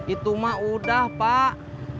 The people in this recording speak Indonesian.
itu mah udah pak